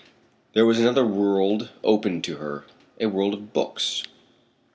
There was another world opened to her a world of books.